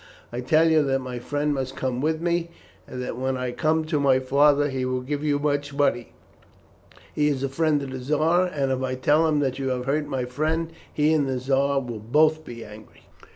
I tell you that my friend must come with me, and that when I come to my father he will give you much money. He is a friend of the Czar, and if I tell him that you have hurt my friend, he and the Czar will both be angry."